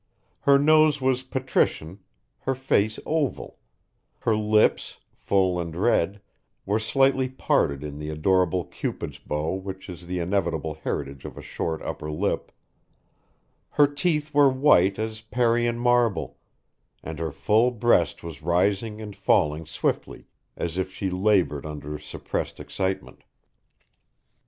Her nose was patrician, her face oval; her lips, full and red, were slightly parted in the adorable Cupid's bow which is the inevitable heritage of a short upper lip; her teeth were white as Parian marble; and her full breast was rising and falling swiftly, as if she laboured under suppressed excitement.